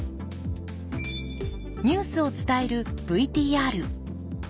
ニュースを伝えるＶＴＲ。